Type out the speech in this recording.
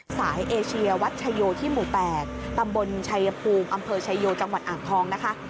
เอเชียวัดชโยที่หมู่๘ตำบลชายภูมิอำเภอชายโยจังหวัดอ่างทองนะคะ